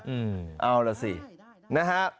เอาล่ะสิได้นะฮะ